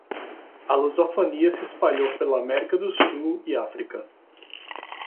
A lusofonia se espalhou pela América do Sul e África